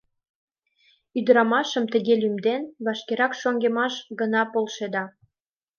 Ӱдырамашым тыге лӱмден, вашкерак шоҥгемаш гына полшеда.